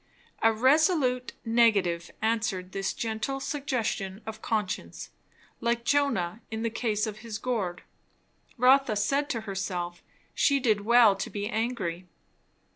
A resolute negative answered this gentle suggestion of conscience; like Jonah in the case of his gourd, Rotha said to herself she did well to be angry.